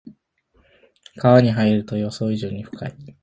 川に入ると予想以上に深い